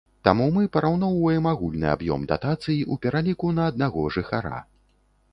Таму мы параўноўваем агульны аб'ём датацый у пераліку на аднаго жыхара.